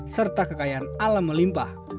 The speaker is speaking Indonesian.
serta kekayaan alam melimpah